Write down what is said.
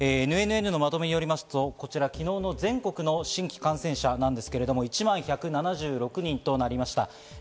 ＮＮＮのまとめによりますと、こちら昨日の全国の新規感染者なんですが、１万１７６人となりました。